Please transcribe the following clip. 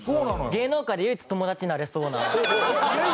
芸能界で唯一友達になれそうな。